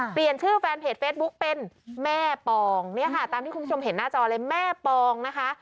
เปลี่ยนชื่อแฟนเพจเฟซบุ๊กเป็นแม่ปองเนี่ยค่ะตามที่คุณผู้ชมเห็นหน้าจอเลยแม่ปองนะคะ